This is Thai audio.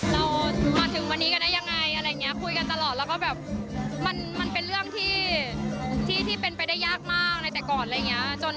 เรามาถึงวันนี้กันได้ยังไงอะไรอย่างนี้คุยกันตลอดแล้วก็แบบมันเป็นเรื่องที่เป็นไปได้ยากมากในแต่ก่อนอะไรอย่างนี้